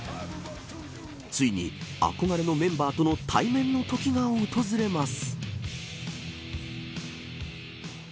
ついに、憧れのメンバーとの対面の時が訪れます。